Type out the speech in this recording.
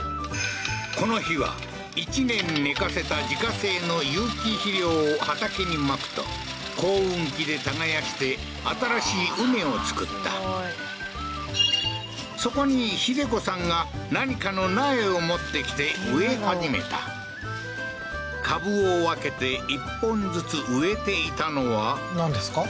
この日は１年寝かせた自家製の有機肥料を畑に撒くと耕うん機で耕して新しい畝を作ったそこに秀子さんが何かの苗を持ってきて植え始めた株を分けて１本ずつ植えていたのはなんですか？